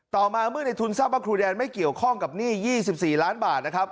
ต่อมาเมื่อในทุนทราบว่าครูแดนไม่เกี่ยวข้องกับหนี้๒๔ล้านบาทนะครับ